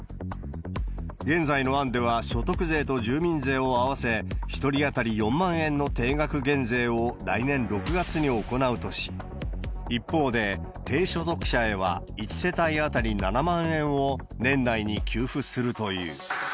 現在の案では所得税と住民税を合わせ、１人当たり４万円の定額減税を来年６月に行うとし、一方で、低所得者へは１世帯当たり７万円を年内に給付するという。